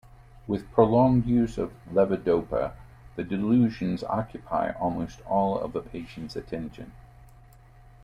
With prolonged use of levodopa, the delusions occupy almost all of a patient's attention.